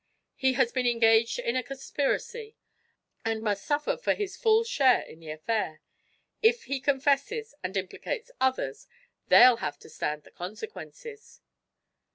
He has been engaged in a conspiracy, and must suffer for his full share in the affair. If he confesses, and implicates others, they'll have to stand the consequences."